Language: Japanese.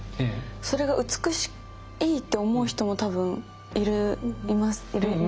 それが美しいって思う人も多分いるいますよね？